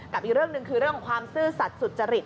กับอีกเรื่องนึงคือเรื่องความซื้อสัดสุจริต